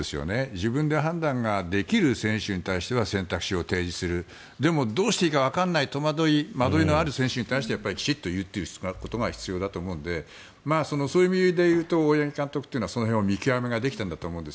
自分で判断ができる選手に対しては選択肢を提示するでもどうしていいかわからない戸惑い、迷いのある選手にはやっぱりきちんと言うことが必要だと思うのでそういう意味で言うと大八木監督というのはその辺の見極めができているんだと思うんです。